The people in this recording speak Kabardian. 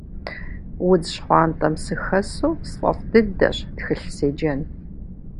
Удз щхъуантӏэм сыхэсу сфӏэфӏ дыдэщ тхылъ седжэн.